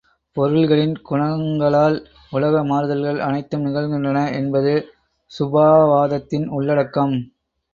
பொருள்களின் குணங்களால் உலக மாறுதல்கள் அனைத்தும் நிகழ்கின்றன என்பது சுபாவவாதத்தின் உள்ளடக்கம்.